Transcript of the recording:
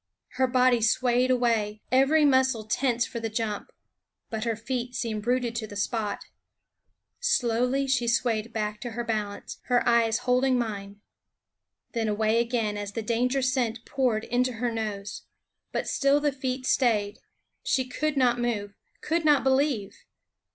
Her body swayed away, every muscle tense for the jump ; but her feet seemed rooted to the spot. Slowly she swayed back to her bal ance, her eyes holding mine ; then away again 34 What the Fauns Know SCHOOL OF as the danger scent poured into her nose. But still the feet stayed. She could not move ; could not believe.